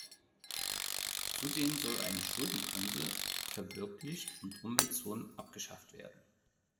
Zudem solle eine Schuldenbremse verwirklicht und Umweltzonen abgeschafft werden.